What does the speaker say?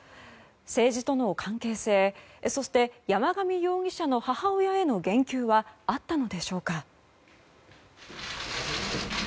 政治との関係性そして山上容疑者の母親への言及はあったのでしょうか。